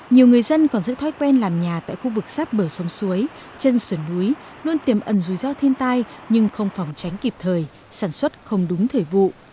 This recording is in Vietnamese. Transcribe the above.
nhiều người dân còn giữ thói quen làm nhà tại khu vực sắp bờ sông suối chân sườn núi luôn tiềm ẩn rủi ro thiên tai nhưng không phòng tránh kịp thời sản xuất không đúng thời vụ